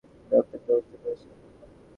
আমি রক্তাক্ত অবস্থায় পড়ে ছিলাম তখন।